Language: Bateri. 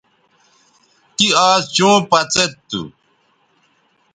تی آز چوں پڅید تھو